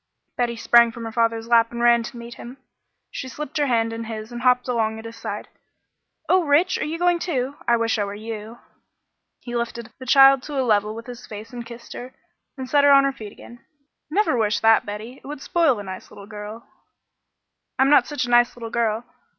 Betty sprang from her father's lap and ran to meet him. She slipped her hand in his and hopped along at his side. "Oh, Rich! Are you going, too? I wish I were you." He lifted the child to a level with his face and kissed her, then set her on her feet again. "Never wish that, Betty. It would spoil a nice little girl." "I'm not such a nice little girl.